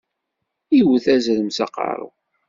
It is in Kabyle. Iwwet azrem s aqeṛṛu.